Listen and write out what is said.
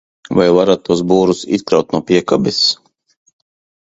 Vai varat tos būrus izkraut no piekabes?